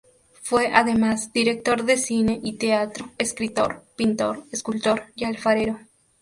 Fue además director de cine y teatro, escritor, pintor, escultor y alfarero.